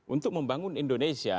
untuk membangun indonesia